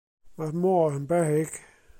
Mae'r môr yn beryg.